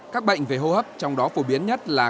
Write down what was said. các bệnh về hô hấp trong đó phổ biến nhất là